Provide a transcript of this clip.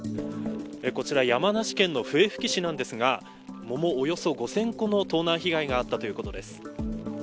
こちら山梨県の笛吹市なんですが桃およそ５０００個の盗難被害があったということです。